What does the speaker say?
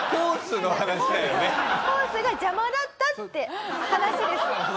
ホースが邪魔だったって話です。